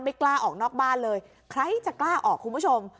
กล้าออกนอกบ้านเลยใครจะกล้าออกคุณผู้ชม